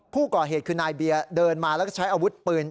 ผู้ก่อเหตุคือนายเบียร์เดินมาแล้วก็ใช้อาวุธปืน